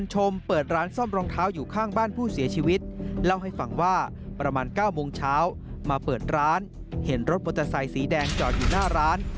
เห็นรถมอเตอร์ไซสีแดงจอดอยู่หน้าร้าน